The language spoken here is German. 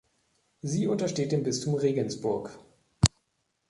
Sie untersteht dem Bistum Regensburg.